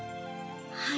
はい。